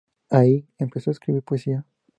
Allí, empezó a escribir poesía.